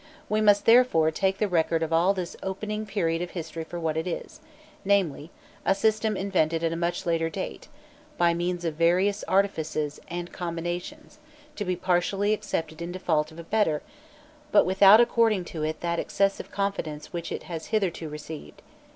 We must, therefore, take the record of all this opening period of history for what it is namely, a system invented at a much later date, by means of various artifices and combinations to be partially accepted in default of a better, but without according to it that excessive confidence which it has hitherto received.